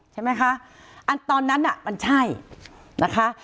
ใช่ไหมคะอันตอนนั้นน่ะมันใช่นะคะ